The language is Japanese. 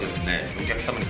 お客様に。